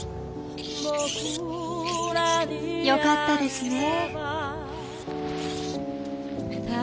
よかったですねえ。